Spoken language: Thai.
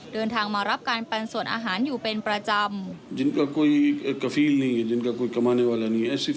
เดินทางมารับการปันส่วนอาหารอยู่เป็นประจำ